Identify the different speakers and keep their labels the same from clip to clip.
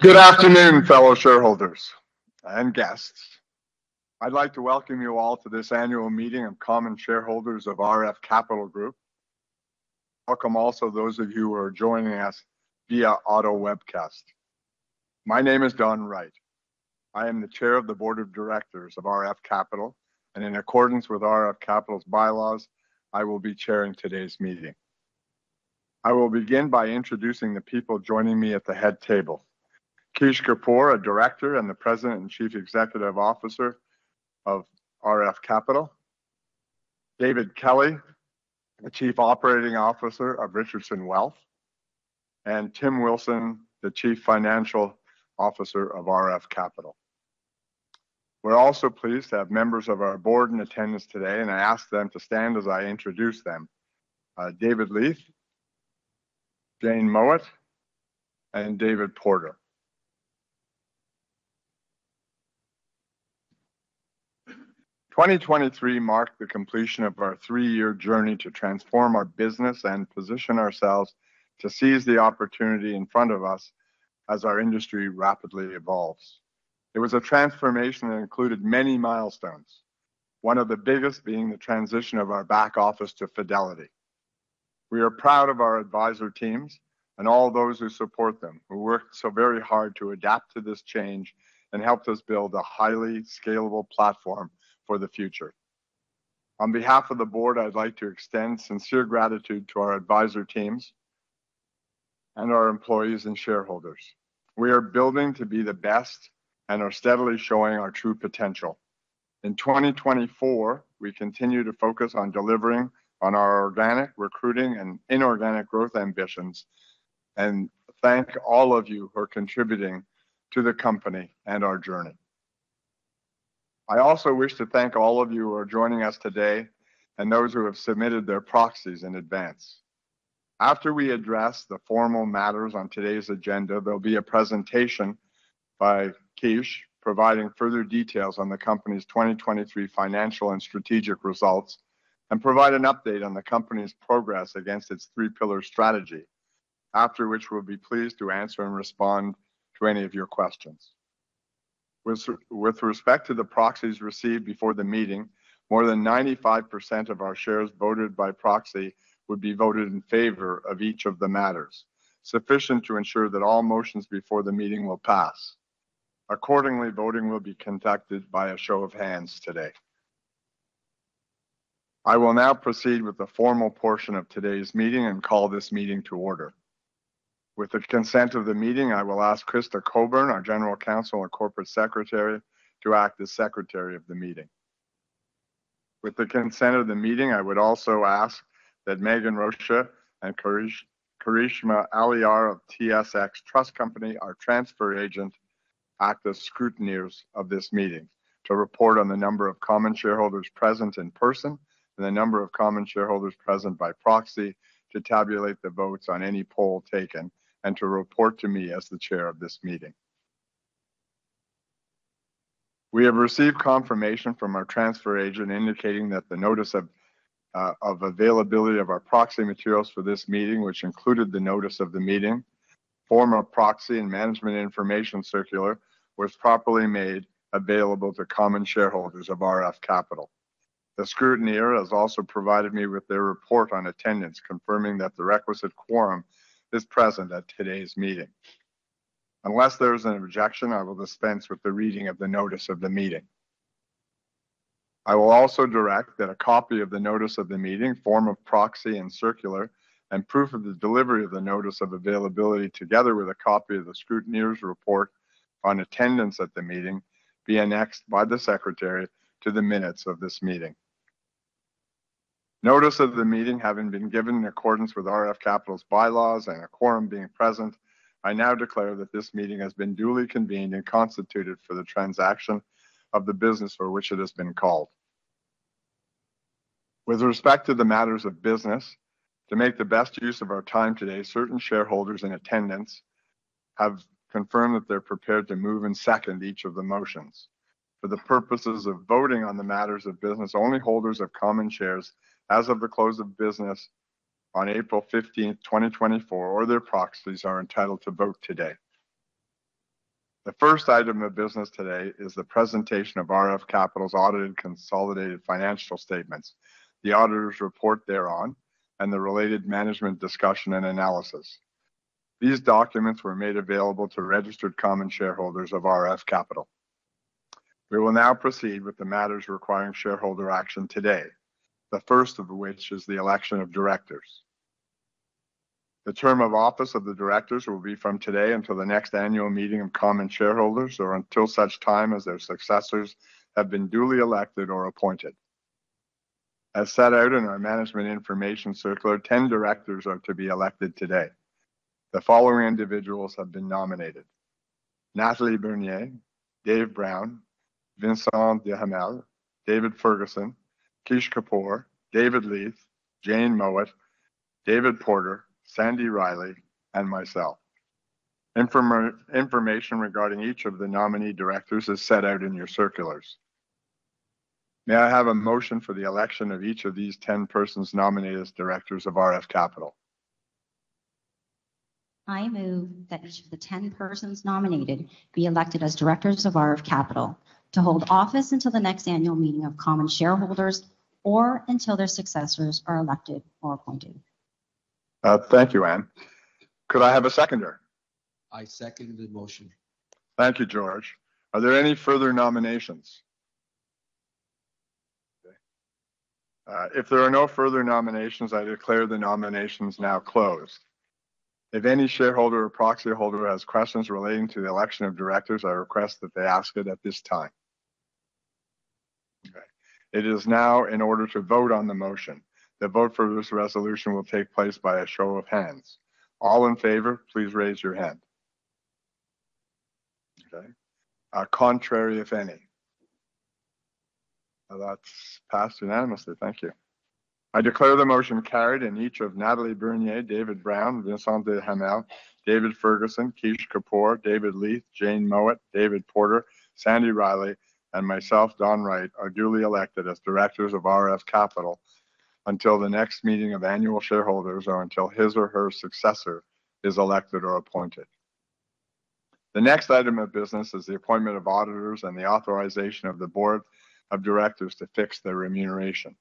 Speaker 1: Good afternoon, fellow shareholders and guests. I'd like to welcome you all to this annual meeting of common shareholders of RF Capital Group. Welcome also those of you who are joining us via audio webcast. My name is Don Wright. I am the chair of the board of directors of RF Capital, and in accordance with RF Capital's bylaws, I will be chairing today's meeting. I will begin by introducing the people joining me at the head table. Kish Kapoor, a director and the President and Chief Executive Officer of RF Capital; David Kelly, the Chief Operating Officer of Richardson Wealth; and Tim Wilson, the Chief Financial Officer of RF Capital. We're also pleased to have members of our board in attendance today, and I ask them to stand as I introduce them. David Leith, Jane Mowat, and David Porter. 2023 marked the completion of our three-year journey to transform our business and position ourselves to seize the opportunity in front of us as our industry rapidly evolves. It was a transformation that included many milestones, one of the biggest being the transition of our back office to Fidelity. We are proud of our advisor teams and all those who support them, who worked so very hard to adapt to this change and helped us build a highly scalable platform for the future. On behalf of the board, I'd like to extend sincere gratitude to our advisor teams and our employees and shareholders. We are building to be the best and are steadily showing our true potential. In 2024, we continue to focus on delivering on our organic recruiting and inorganic growth ambitions, and thank all of you who are contributing to the company and our journey. I also wish to thank all of you who are joining us today and those who have submitted their proxies in advance. After we address the formal matters on today's agenda, there'll be a presentation by Kish, providing further details on the company's 2023 financial and strategic results, and provide an update on the company's progress against its Three-Pillar Strategy, after which we'll be pleased to answer and respond to any of your questions. With respect to the proxies received before the meeting, more than 95% of our shares voted by proxy would be voted in favor of each of the matters, sufficient to ensure that all motions before the meeting will pass. Accordingly, voting will be conducted by a show of hands today. I will now proceed with the formal portion of today's meeting and call this meeting to order. With the consent of the meeting, I will ask Krista Coburn, our General Counsel and Corporate Secretary, to act as Secretary of the meeting. With the consent of the meeting, I would also ask that Megan Rocha and Karishma Aliyar of TSX Trust Company, our transfer agent, act as scrutineers of this meeting to report on the number of common shareholders present in person and the number of common shareholders present by proxy to tabulate the votes on any poll taken and to report to me as the chair of this meeting. We have received confirmation from our transfer agent indicating that the notice of availability of our proxy materials for this meeting, which included the notice of the meeting, form of proxy, and management information circular, was properly made available to common shareholders of RF Capital. The scrutineer has also provided me with their report on attendance, confirming that the requisite quorum is present at today's meeting. Unless there is an objection, I will dispense with the reading of the notice of the meeting. I will also direct that a copy of the notice of the meeting, form of proxy and circular, and proof of the delivery of the notice of availability, together with a copy of the scrutineer's report on attendance at the meeting, be annexed by the secretary to the minutes of this meeting. Notice of the meeting, having been given in accordance with RF Capital's bylaws and a quorum being present, I now declare that this meeting has been duly convened and constituted for the transaction of the business for which it has been called. With respect to the matters of business, to make the best use of our time today, certain shareholders in attendance have confirmed that they're prepared to move and second each of the motions. For the purposes of voting on the matters of business, only holders of common shares as of the close of business on April fifteenth, 2024, or their proxies, are entitled to vote today. The first item of business today is the presentation of RF Capital's audited consolidated financial statements, the auditor's report thereon, and the related management discussion and analysis. These documents were made available to registered common shareholders of RF Capital. We will now proceed with the matters requiring shareholder action today, the first of which is the election of directors. The term of office of the directors will be from today until the next annual meeting of common shareholders or until such time as their successors have been duly elected or appointed. As set out in our Management Information Circular, 10 directors are to be elected today. The following individuals have been nominated: Natalie Bernier, Dave Brown, Vincent Duhamel, David Ferguson, Kish Kapoor, David Leith, Jane Mowat, David Porter, Sandy Riley, and myself. Information regarding each of the nominee directors is set out in your circulars. May I have a motion for the election of each of these 10 persons nominated as directors of RF Capital?
Speaker 2: I move that each of the 10 persons nominated be elected as directors of RF Capital to hold office until the next annual meeting of common shareholders, or until their successors are elected or appointed.
Speaker 1: Thank you, Anne. Could I have a seconder?
Speaker 3: I second the motion.
Speaker 1: Thank you, George. Are there any further nominations? Okay, if there are no further nominations, I declare the nominations now closed. If any shareholder or proxy holder has questions relating to the election of directors, I request that they ask it at this time. Okay, it is now in order to vote on the motion. The vote for this resolution will take place by a show of hands. All in favor, please raise your hand. Okay. Contrary, if any? That's passed unanimously. Thank you. I declare the motion carried, and each of Natalie Bernier, David Brown, Vincent Duhamel, David Ferguson, Kish Kapoor, David Leith, Jane Mowat, David Porter, Sandy Riley, and myself, Don Wright, are duly elected as directors of RF Capital until the next meeting of annual shareholders or until his or her successor is elected or appointed. The next item of business is the appointment of auditors and the authorization of the board of directors to fix their remuneration.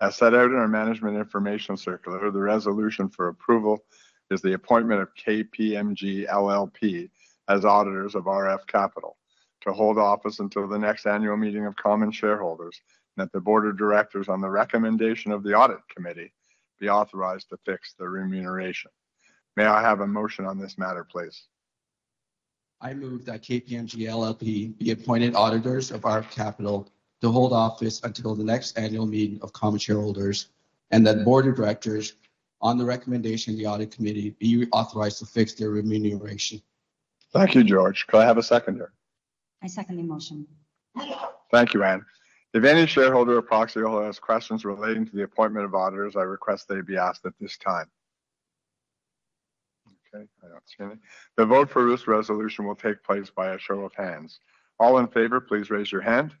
Speaker 1: As set out in our management information circular, the resolution for approval is the appointment of KPMG LLP as auditors of RF Capital to hold office until the next annual meeting of common shareholders, and that the board of directors, on the recommendation of the audit committee, be authorized to fix their remuneration. May I have a motion on this matter, please?
Speaker 3: I move that KPMG LLP be appointed auditors of RF Capital to hold office until the next annual meeting of common shareholders, and that board of directors, on the recommendation of the audit committee, be authorized to fix their remuneration.
Speaker 1: Thank you, George. Could I have a seconder?
Speaker 2: I second the motion.
Speaker 1: Thank you, Anne. If any shareholder or proxy holder has questions relating to the appointment of auditors, I request they be asked at this time. Okay, I understand it. The vote for this resolution will take place by a show of hands. All in favor, please raise your hand.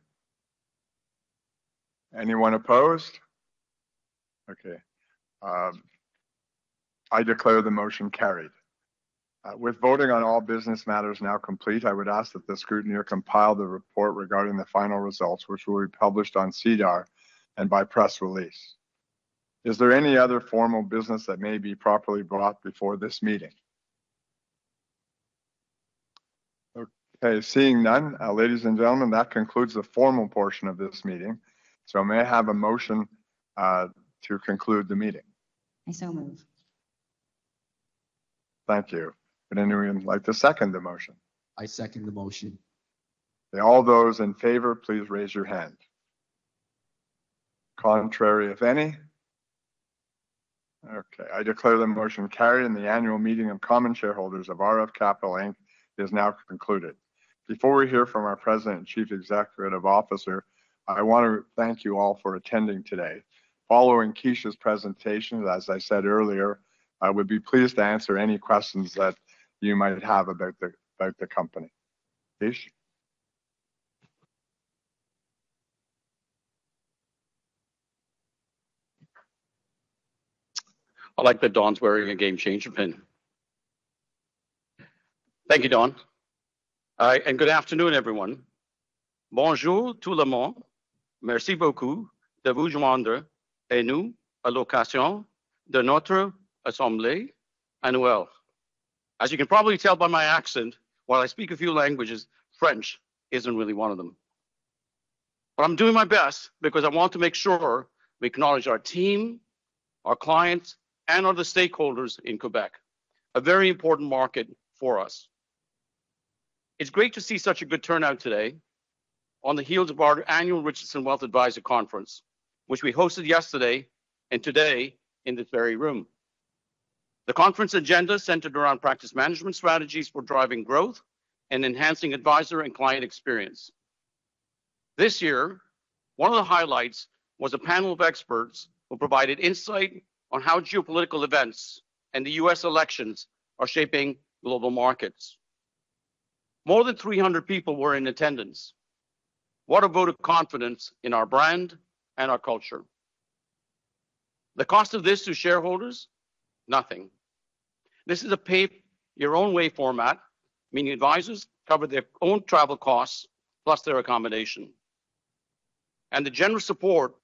Speaker 1: Anyone opposed? Okay, I declare the motion carried. With voting on all business matters now complete, I would ask that the scrutineer compile the report regarding the final results, which will be published on SEDAR and by press release. Is there any other formal business that may be properly brought before this meeting? Okay, seeing none, ladies and gentlemen, that concludes the formal portion of this meeting. So may I have a motion to conclude the meeting?
Speaker 2: I so move.
Speaker 1: Thank you. Would anyone like to second the motion?
Speaker 3: I second the motion.
Speaker 1: May all those in favor, please raise your hand. Contrary, if any? Okay, I declare the motion carried, and the annual meeting of common shareholders of RF Capital Group Inc. is now concluded. Before we hear from our President and Chief Executive Officer, I want to thank you all for attending today. Following Kish's presentation, as I said earlier, I would be pleased to answer any questions that you might have about the company. Kish?
Speaker 4: I like that Don's wearing a Game Changer pin. Thank you, Don. Good afternoon, everyone. Bonjour tout le monde. Merci beaucoup de vous joindre à nous à l'occasion de notre assemblée annuelle. As you can probably tell by my accent, while I speak a few languages, French isn't really one of them. But I'm doing my best because I want to make sure we acknowledge our team, our clients, and other stakeholders in Quebec, a very important market for us. It's great to see such a good turnout today on the heels of our annual Richardson Wealth Advisor Conference, which we hosted yesterday and today in this very room. The conference agenda centered around practice management strategies for driving growth and enhancing advisor and client experience. This year, one of the highlights was a panel of experts who provided insight on how geopolitical events and the US elections are shaping global markets. More than 300 people were in attendance. What a vote of confidence in our brand and our culture. The cost of this to shareholders? Nothing. This is a pay your own way format, meaning advisors cover their own travel costs, plus their accommodation. And the generous support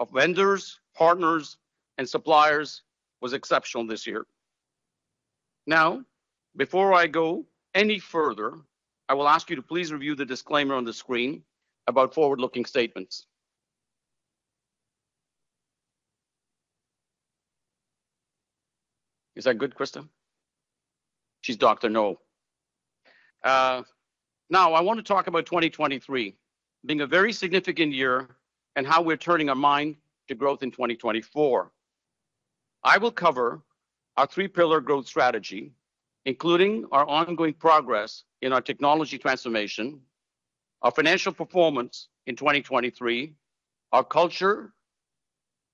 Speaker 4: of vendors, partners, and suppliers was exceptional this year. Now, before I go any further, I will ask you to please review the disclaimer on the screen about forward-looking statements. Is that good, Krista? She's Dr. Noel. Now, I want to talk about 2023 being a very significant year and how we're turning our mind to growth in 2024. I will cover our three-pillar growth strategy, including our ongoing progress in our technology transformation, our financial performance in 2023, our culture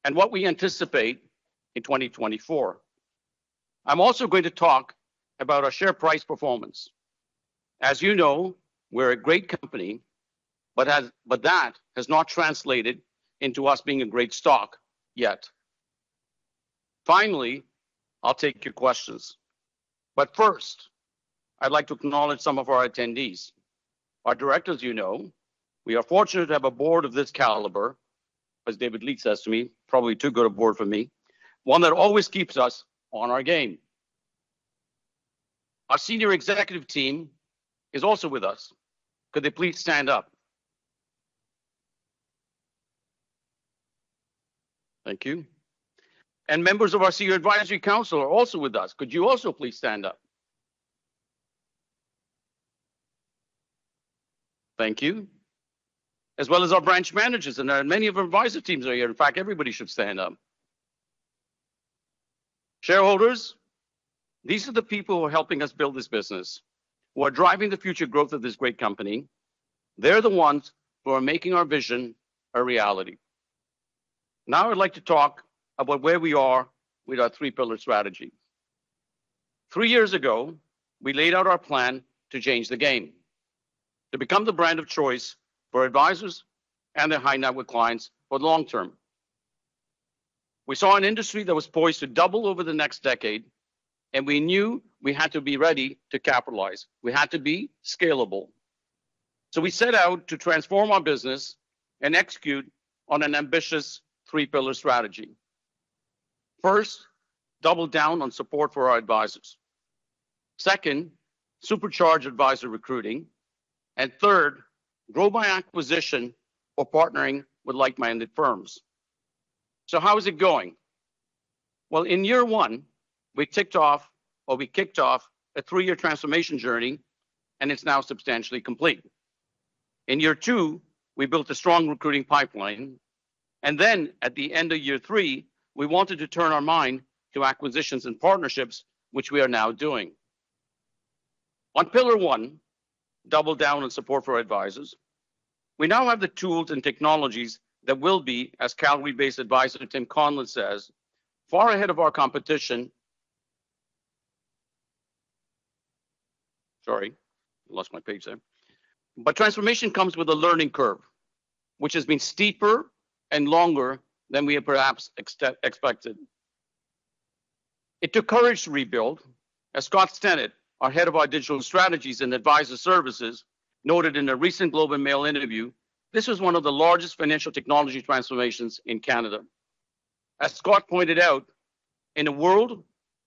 Speaker 4: and what we anticipate in 2024. I'm also going to talk about our share price performance. As you know, we're a great company, but that has not translated into us being a great stock yet. Finally, I'll take your questions, but first, I'd like to acknowledge some of our attendees. Our directors, you know. We are fortunate to have a board of this caliber, as David Leith says to me, "Probably too good a board for me," one that always keeps us on our game. Our senior executive team is also with us. Could they please stand up? Thank you. And members of our Senior Advisory Council are also with us. Could you also please stand up? Thank you. As well as our branch managers, and, many of our advisor teams are here. In fact, everybody should stand up. Shareholders, these are the people who are helping us build this business, who are driving the future growth of this great company. They're the ones who are making our vision a reality. Now, I'd like to talk about where we are with our three-pillar strategy. Three years ago, we laid out our plan to change the game, to become the brand of choice for advisors and their high-net-worth clients for the long term. We saw an industry that was poised to double over the next decade, and we knew we had to be ready to capitalize. We had to be scalable. So we set out to transform our business and execute on an ambitious three-pillar strategy. First, double down on support for our advisors. Second, supercharge advisor recruiting. And third, grow by acquisition or partnering with like-minded firms. So how is it going? Well, in year one, we ticked off, or we kicked off a three-year transformation journey, and it's now substantially complete. In year two, we built a strong recruiting pipeline, and then at the end of year three, we wanted to turn our mind to acquisitions and partnerships, which we are now doing. On pillar one, double down on support for advisors, we now have the tools and technologies that will be, as Calgary-based advisor Tim Conlin says, "far ahead of our competition." Sorry, I lost my page there. But transformation comes with a learning curve, which has been steeper and longer than we had perhaps expected. It took courage to rebuild. As Scott Stennett, our Head of our Digital Strategies and Advisor Services, noted in a recent Globe and Mail interview, "This was one of the largest financial technology transformations in Canada." As Scott pointed out, in a world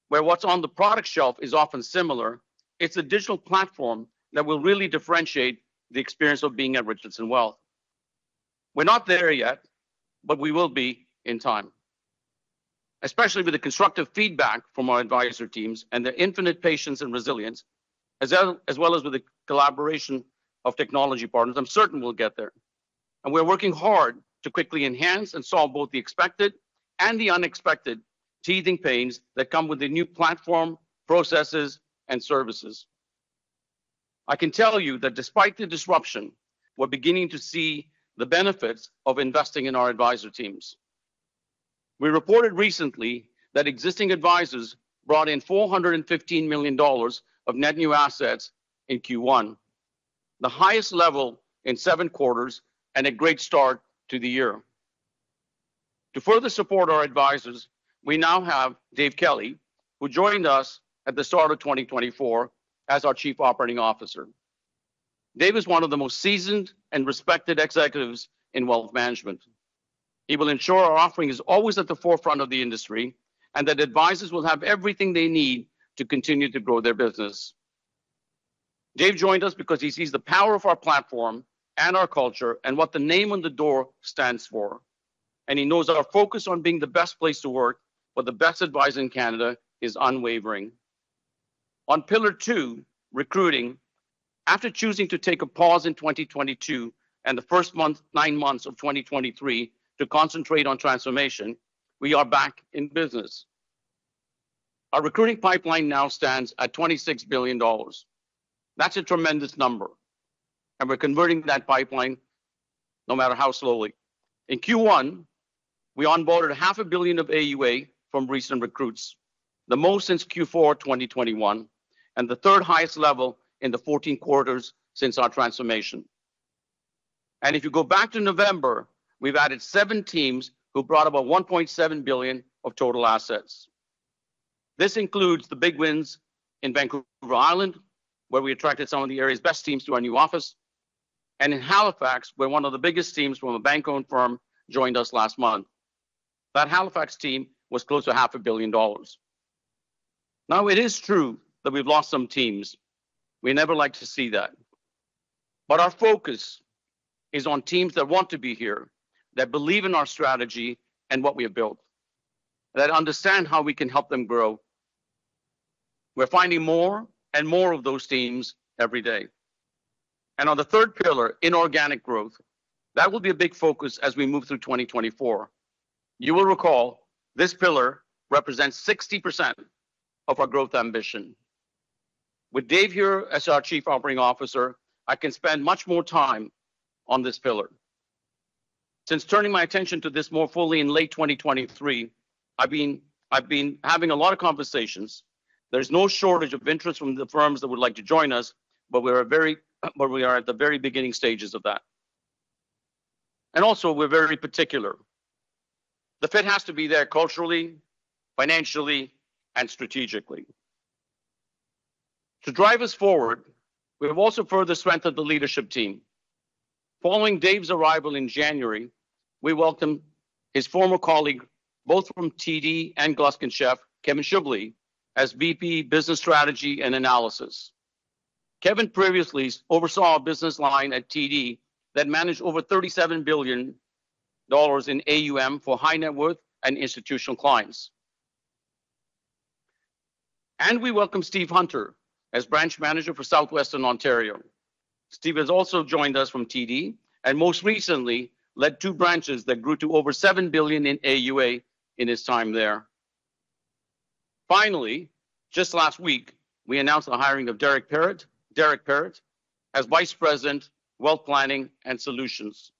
Speaker 4: where what's on the product shelf is often similar, it's a digital platform that will really differentiate the experience of being at Richardson Wealth. We're not there yet, but we will be in time. Especially with the constructive feedback from our advisor teams and their infinite patience and resilience, as well, as well as with the collaboration of technology partners, I'm certain we'll get there, and we're working hard to quickly enhance and solve both the expected and the unexpected teething pains that come with the new platform, processes, and services. I can tell you that despite the disruption, we're beginning to see the benefits of investing in our advisor teams. We reported recently that existing advisors brought in 415 million dollars of net new assets in Q1, the highest level in seven quarters and a great start to the year. To further support our advisors, we now have Dave Kelly, who joined us at the start of 2024 as our Chief Operating Officer. Dave is one of the most seasoned and respected executives in wealth management. He will ensure our offering is always at the forefront of the industry, and that advisors will have everything they need to continue to grow their business. Dave joined us because he sees the power of our platform and our culture and what the name on the door stands for, and he knows our focus on being the best place to work for the best advisors in Canada is unwavering. On pillar two, recruiting, after choosing to take a pause in 2022 and the first month, nine months of 2023 to concentrate on transformation, we are back in business. Our recruiting pipeline now stands at 26 billion dollars. That's a tremendous number, and we're converting that pipeline, no matter how slowly. In Q1, we onboarded 500 million of AUA from recent recruits, the most since Q4 2021, and the third highest level in the 14 quarters since our transformation. If you go back to November, we've added 7 teams who brought about 1.7 billion of total assets. This includes the big wins in Vancouver Island, where we attracted some of the area's best teams to our new office, and in Halifax, where one of the biggest teams from a bank-owned firm joined us last month. That Halifax team was close to 500 million dollars. Now, it is true that we've lost some teams. We never like to see that, but our focus is on teams that want to be here, that believe in our strategy and what we have built, that understand how we can help them grow. We're finding more and more of those teams every day. And on the third pillar, inorganic growth, that will be a big focus as we move through 2024. You will recall, this pillar represents 60% of our growth ambition.... With Dave here as our Chief Operating Officer, I can spend much more time on this pillar. Since turning my attention to this more fully in late 2023, I've been, I've been having a lot of conversations. There's no shortage of interest from the firms that would like to join us, but we're at very, but we are at the very beginning stages of that. And also, we're very particular. The fit has to be there culturally, financially, and strategically. To drive us forward, we have also further strengthened the leadership team. Following Dave's arrival in January, we welcomed his former colleague, both from TD and Gluskin Sheff, Kevin Shubley, as VP, Business Strategy and Analysis. Kevin previously oversaw a business line at TD that managed over 37 billion dollars in AUM for high net worth and institutional clients. And we welcome Steve Hunter as branch manager for Southwestern Ontario. Steve has also joined us from TD, and most recently led two branches that grew to over 7 billion in AUA in his time there. Finally, just last week, we announced the hiring of Derek Pettit, Derek Pettit, as Vice President, Wealth Planning and Solutions.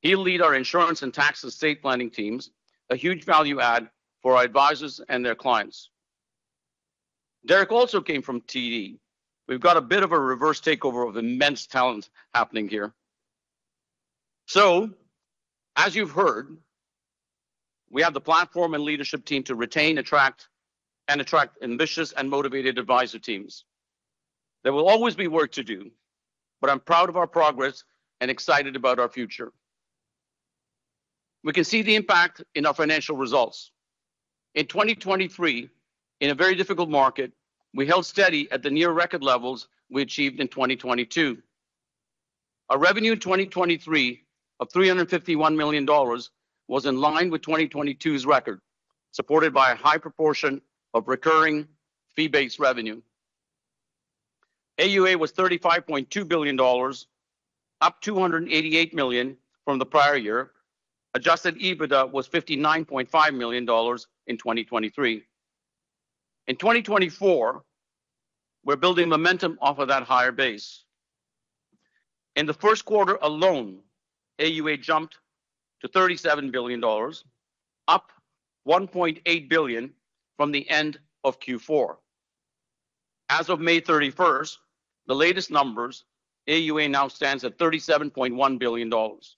Speaker 4: He'll lead our insurance and tax estate planning teams, a huge value add for our advisors and their clients. Derek also came from TD. We've got a bit of a reverse takeover of immense talent happening here. So, as you've heard, we have the platform and leadership team to retain, attract, and attract ambitious and motivated advisor teams. There will always be work to do, but I'm proud of our progress and excited about our future. We can see the impact in our financial results. In 2023, in a very difficult market, we held steady at the near record levels we achieved in 2022. Our revenue in 2023 of 351 million dollars was in line with 2022's record, supported by a high proportion of recurring fee-based revenue. AUA was 35.2 billion dollars, up 288 million from the prior year. Adjusted EBITDA was 59.5 million dollars in 2023. In 2024, we're building momentum off of that higher base. In the first quarter alone, AUA jumped to 37 billion dollars, up 1.8 billion from the end of Q4. As of May 31, the latest numbers, AUA now stands at 37.1 billion dollars.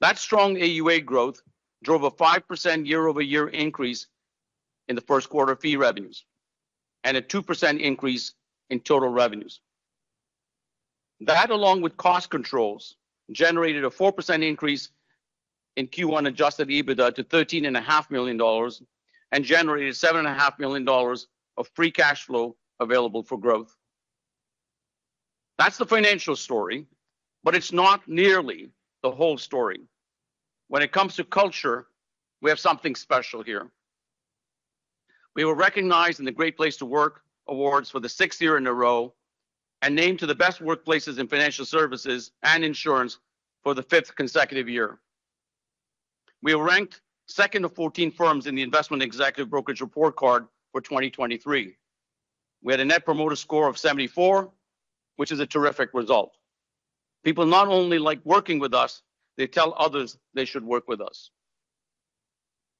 Speaker 4: That strong AUA growth drove a 5% year-over-year increase in the first quarter fee revenues, and a 2% increase in total revenues. That, along with cost controls, generated a 4% increase in Q1 Adjusted EBITDA to 13.5 million dollars, and generated 7.5 million dollars of free cash flow available for growth. That's the financial story, but it's not nearly the whole story. When it comes to culture, we have something special here. We were recognized in the Great Place to Work awards for the sixth year in a row, and named to the Best Workplaces in Financial Services and Insurance for the fifth consecutive year. We were ranked second of 14 firms in the Investment Executive Brokerage Report Card for 2023. We had a Net Promoter Score of 74, which is a terrific result. People not only like working with us, they tell others they should work with us.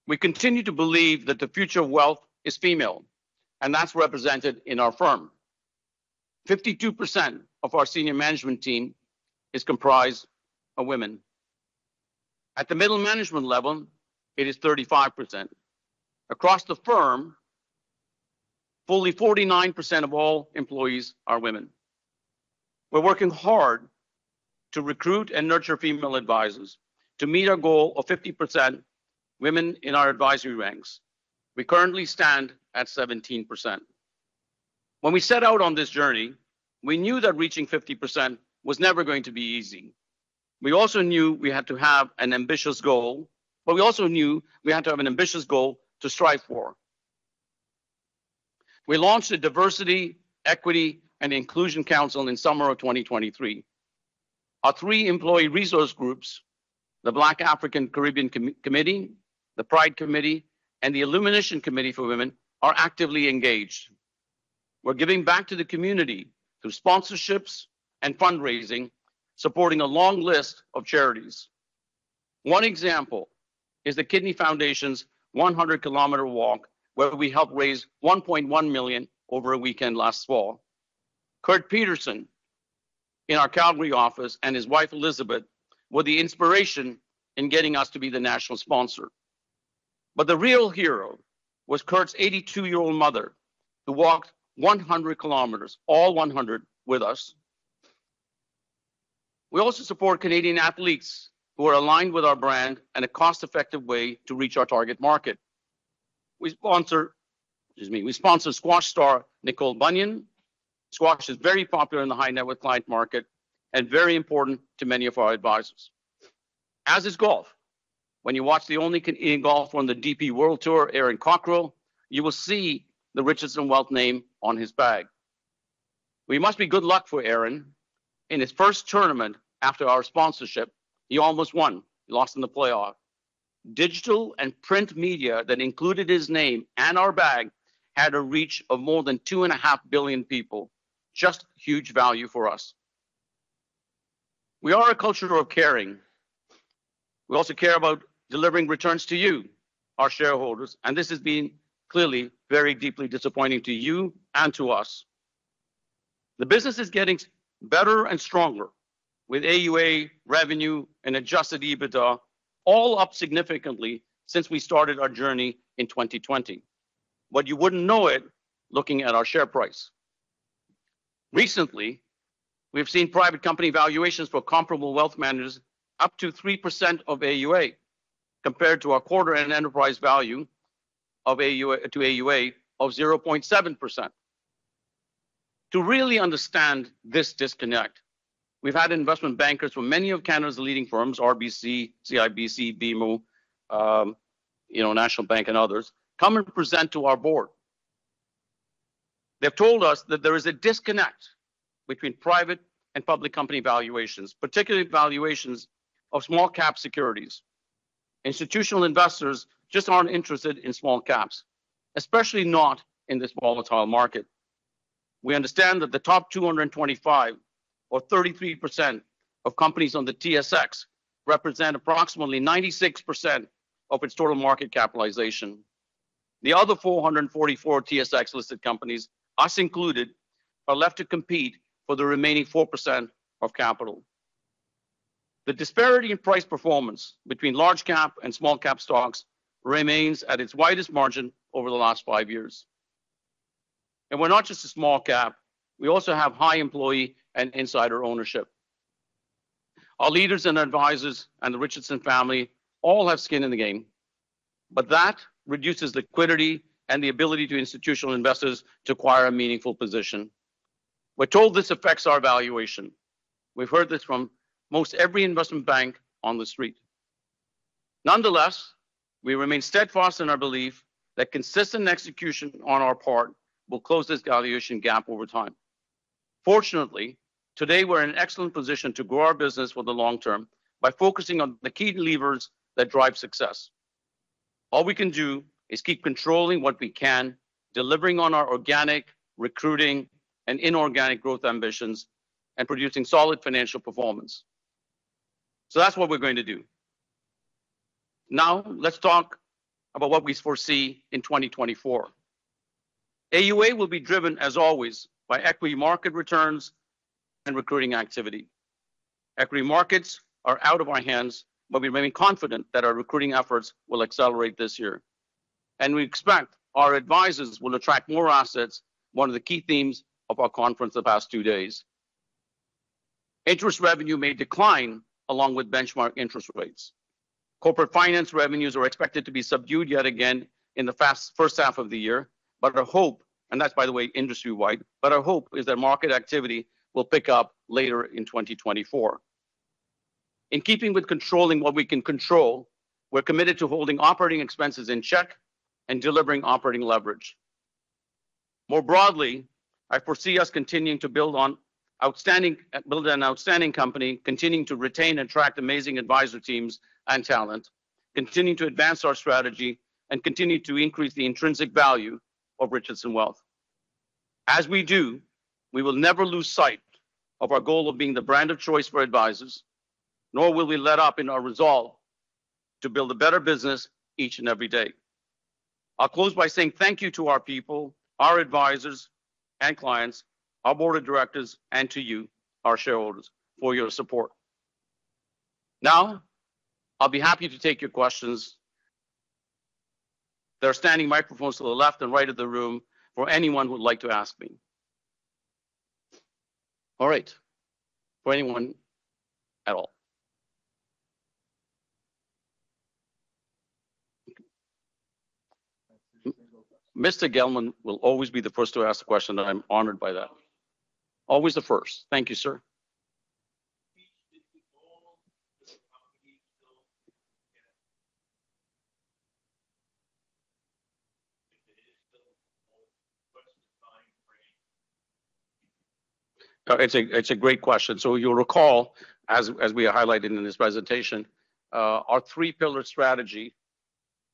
Speaker 4: We continue to believe that the future of wealth is female, and that's represented in our firm. 52% of our senior management team is comprised of women. At the middle management level, it is 35%. Across the firm, fully 49% of all employees are women. We're working hard to recruit and nurture female advisors to meet our goal of 50% women in our advisory ranks. We currently stand at 17%. When we set out on this journey, we knew that reaching 50% was never going to be easy. We also knew we had to have an ambitious goal, but we also knew we had to have an ambitious goal to strive for. We launched a diversity, equity, and inclusion council in summer of 2023. Our three employee resource groups, the Black African Caribbean Committee, the Pride Committee, and the Illumination Committee for Women, are actively engaged. We're giving back to the community through sponsorships and fundraising, supporting a long list of charities. One example is the Kidney Foundation's 100-kilometer walk, where we helped raise 1.1 million over a weekend last fall. Kurt Peterson, in our Calgary office, and his wife, Elizabeth, were the inspiration in getting us to be the national sponsor. But the real hero was Kurt's 82-year-old mother, who walked 100 kilometers, all 100, with us. We also support Canadian athletes who are aligned with our brand and a cost-effective way to reach our target market. We sponsor, excuse me, we sponsor squash star Nicole Bunyan. Squash is very popular in the high net worth client market and very important to many of our advisors, as is golf. When you watch the only Canadian golf on the DP World Tour, Aaron Cockerill, you will see the Richardson Wealth name on his bag. We must be good luck for Aaron. In his first tournament after our sponsorship, he almost won. He lost in the playoff. Digital and print media that included his name and our bag had a reach of more than 2.5 billion people. Just huge value for us. We are a culture of caring. We also care about delivering returns to you, our shareholders, and this has been clearly very deeply disappointing to you and to us. The business is getting better and stronger, with AUA, revenue, and adjusted EBITDA all up significantly since we started our journey in 2020. But you wouldn't know it, looking at our share price. Recently, we've seen private company valuations for comparable wealth managers up to 3% of AUA, compared to our quarter end enterprise value to AUA of 0.7%. To really understand this disconnect, we've had investment bankers from many of Canada's leading firms, RBC, CIBC, BMO, you know, National Bank and others, come and present to our board. They've told us that there is a disconnect between private and public company valuations, particularly valuations of small cap securities. Institutional investors just aren't interested in small caps, especially not in this volatile market. We understand that the top 225, or 33%, of companies on the TSX represent approximately 96% of its total market capitalization. The other 444 TSX-listed companies, us included, are left to compete for the remaining 4% of capital. The disparity in price performance between large cap and small cap stocks remains at its widest margin over the last 5 years. We're not just a small cap, we also have high employee and insider ownership. Our leaders and advisors and the Richardson family all have skin in the game, but that reduces liquidity and the ability to institutional investors to acquire a meaningful position. We're told this affects our valuation. We've heard this from most every investment bank on the street. Nonetheless, we remain steadfast in our belief that consistent execution on our part will close this valuation gap over time. Fortunately, today, we're in an excellent position to grow our business for the long term by focusing on the key levers that drive success. All we can do is keep controlling what we can, delivering on our organic recruiting and inorganic growth ambitions, and producing solid financial performance. So that's what we're going to do. Now, let's talk about what we foresee in 2024. AUA will be driven, as always, by equity market returns and recruiting activity. Equity markets are out of our hands, but we remain confident that our recruiting efforts will accelerate this year, and we expect our advisors will attract more assets, one of the key themes of our conference the past two days. Interest revenue may decline, along with benchmark interest rates. Corporate finance revenues are expected to be subdued yet again in the first half of the year, but our hope... And that's, by the way, industry-wide. But our hope is that market activity will pick up later in 2024. In keeping with controlling what we can control, we're committed to holding operating expenses in check and delivering operating leverage. More broadly, I foresee us continuing to build on outstanding, build an outstanding company, continuing to retain and attract amazing advisor teams and talent, continuing to advance our strategy, and continue to increase the intrinsic value of Richardson Wealth. As we do, we will never lose sight of our goal of being the brand of choice for advisors, nor will we let up in our resolve to build a better business each and every day. I'll close by saying thank you to our people, our advisors and clients, our board of directors, and to you, our shareholders, for your support. Now, I'll be happy to take your questions. There are standing microphones to the left and right of the room for anyone who would like to ask me. All right, for anyone at all. Mr. Gelman will always be the first to ask a question, and I'm honored by that. Always the first. Thank you, sir. It's a, it's a great question. So you'll recall, as, as we highlighted in this presentation, our three-pillar strategy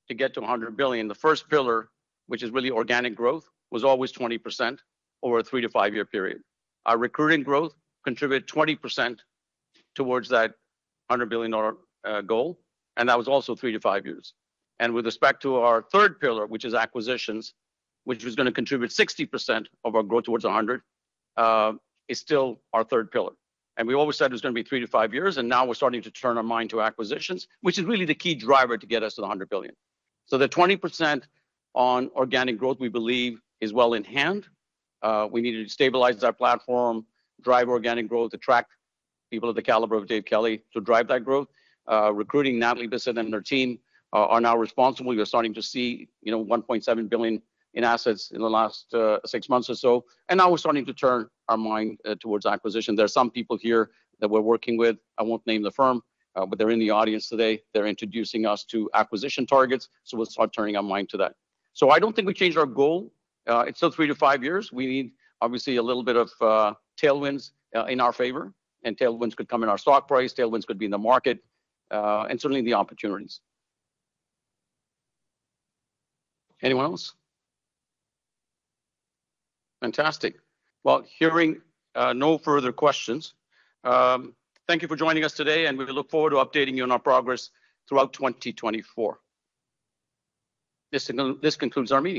Speaker 4: to get to 100 billion, the first pillar, which is really organic growth, was always 20% over a 3-5-year period. Our recruiting growth contributed 20% towards that 100 billion dollar goal, and that was also 3-5 years. And with respect to our third pillar, which is acquisitions, which was gonna contribute 60% of our growth towards 100 billion, is still our third pillar. And we always said it was gonna be 3-5 years, and now we're starting to turn our mind to acquisitions, which is really the key driver to get us to the 100 billion. So the 20% on organic growth, we believe, is well in hand. We needed to stabilize our platform, drive organic growth, attract people of the caliber of Dave Kelly to drive that growth. Recruiting Natalie Bisset and her team are now responsible. We are starting to see, you know, 1.7 billion in assets in the last six months or so, and now we're starting to turn our mind towards acquisition. There are some people here that we're working with, I won't name the firm, but they're in the audience today. They're introducing us to acquisition targets, so we'll start turning our mind to that. So I don't think we changed our goal. It's still 3-5 years. We need, obviously, a little bit of tailwinds in our favor, and tailwinds could come in our stock price, tailwinds could be in the market, and certainly the opportunities. Anyone else? Fantastic. Well, hearing no further questions, thank you for joining us today, and we look forward to updating you on our progress throughout 2024. This concludes our meeting.